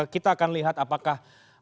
kita akan lihat apakah menurunkan tenaga